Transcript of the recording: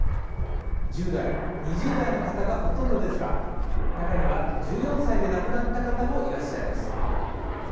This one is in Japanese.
１０代、２０代の方がほとんどですが中には１４歳で亡くなった方もいらっしゃいます。